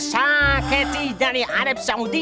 saketi dari arab saudi